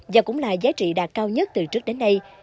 và cũng là giá trị đạt cao nhất từ trước đến nay